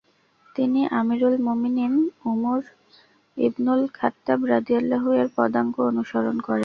তিনি আমীরুল মুমিনীন উমর ইবনুল খাত্তাব রা. এর পদাঙ্ক অনুসরণ করেন।